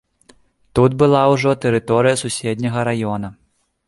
Тут была ўжо тэрыторыя суседняга раёна.